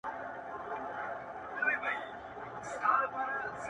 o مخ ځيني اړومه،